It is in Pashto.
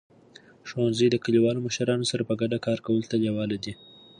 ښوونځي د کلیوالو مشرانو سره په ګډه کار کولو ته لیواله دي.